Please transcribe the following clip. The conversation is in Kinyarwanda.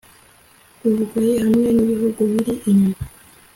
u bugoyi hamwe n'ibihugu biri inyuma